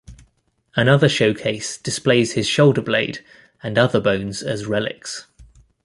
Another showcase displays his shoulder blade and other bones as relics.